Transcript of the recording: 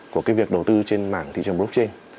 của cái việc đầu tư trên mạng thị trường blockchain